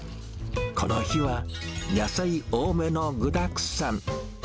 この日は、野菜多めの具だくさん。